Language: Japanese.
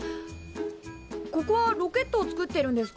ここはロケットを作ってるんですか？